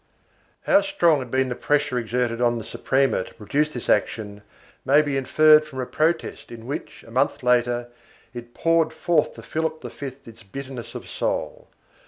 How strong had been the pressure exerted on the Suprema to produce this action may be inferred from a protest in which, a month later, it poured forth to Philip V its bitterness of soul.